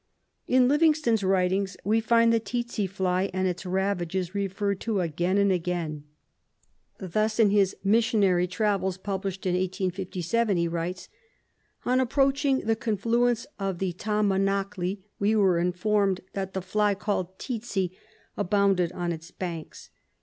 In Livingstone's writings we find the tsetse fly and its ravages referred to again and again. Thus, in his "Mis sionary Travels," published in 1857, he writes :— "On approaching the confluence of the Tamunak'le we were informed that the fly called ' tsetse ' abounded on its banks.